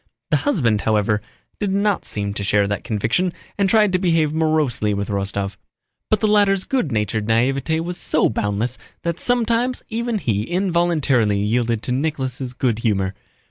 The husband, however, did not seem to share that conviction and tried to behave morosely with Rostóv. But the latter's good natured naïveté was so boundless that sometimes even he involuntarily yielded to Nicholas' good humor.